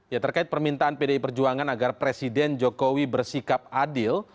ya terkait permintaan pdi perjuangan agar presiden jokowi bersikap adil